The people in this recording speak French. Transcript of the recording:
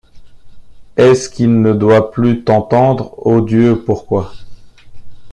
Est-ce qu’il ne doit plus t’entendre? ô Dieu! pourquoi ?